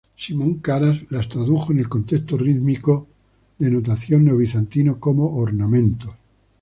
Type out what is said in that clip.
Simon Karas las tradujo en el contexto rítmico de notación neobizantino como ornamentos.